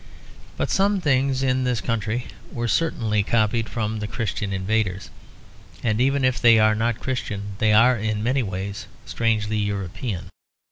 But some things in this country were certainly copied from the Christian invaders, and even if they are not Christian they are in many ways strangely European.